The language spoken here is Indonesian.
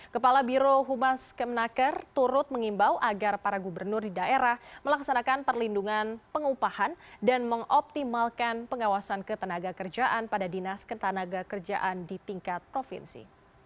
kepala biro humas kemnaker turut mengimbau agar para gubernur di daerah melaksanakan perlindungan pengupahan dan mengoptimalkan pengawasan ketenaga kerjaan pada dinas ketenaga kerjaan di tingkat provinsi